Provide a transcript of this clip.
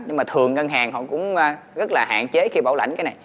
nhưng mà thường ngân hàng họ cũng rất là hạn chế khi bảo lãnh